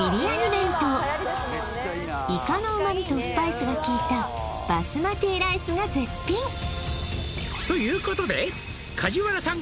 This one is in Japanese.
弁当とスパイスが効いたバスマティライスが絶品「ということで梶原さん」